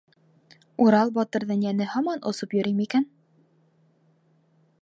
Урал батырҙың йәне һаман осоп йөрөй микән?